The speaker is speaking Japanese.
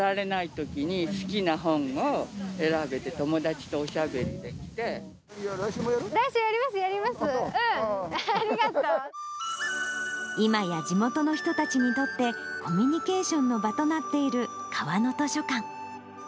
いまや地元の人たちにとって、コミュニケーションの場となっている川の図書館。